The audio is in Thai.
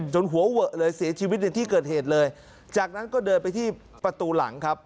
หัวเวอะเลยเสียชีวิตในที่เกิดเหตุเลยจากนั้นก็เดินไปที่ประตูหลังครับ